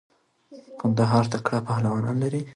قندهار تکړه پهلوانان لری.